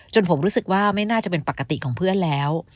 ผมรู้สึกว่าไม่น่าจะเป็นปกติของเพื่อนแล้ว